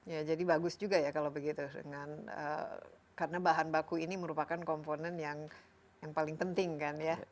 ya jadi bagus juga ya kalau begitu dengan karena bahan baku ini merupakan komponen yang paling penting kan ya